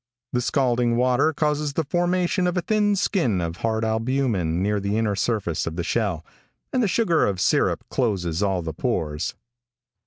The scalding water causes the formation of a thin skin of hard albumen near the inner surface of the shell, and the sugar of syrup closes all the pores."